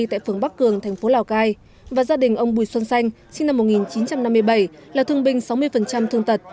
tại phường bắc cường thành phố lào cai và gia đình ông bùi xuân xanh sinh năm một nghìn chín trăm năm mươi bảy là thương binh sáu mươi thương tật